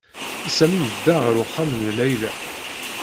Sami yedda ɣer uxxam n Layla.